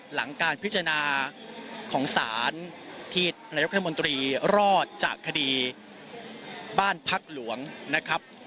หลังการพิจารณาของศาลที่นายกรัฐมนตรีรอดจากคดีบ้านพักหลวงนะครับ